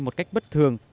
một cách bất thường